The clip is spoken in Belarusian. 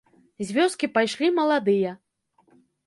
З вёскі пайшлі маладыя.